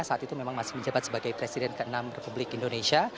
saat itu memang masih menjabat sebagai presiden ke enam republik indonesia